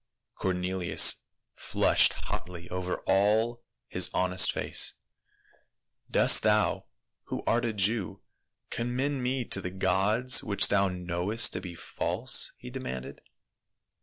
Cornelius flushed hotly over all his honest face. " Dost thou, who art a Jew, commend me to the gods which thou knowcst to be false?" he demanded.